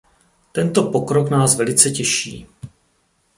Tento pokrok nás velice těší.